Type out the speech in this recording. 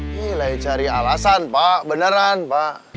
ini lah yang cari alasan pak beneran pak